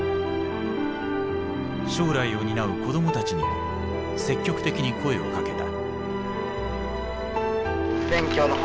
将来を担う子供たちにも積極的に声をかけた。